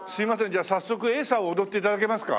じゃあ早速エイサーを踊って頂けますか？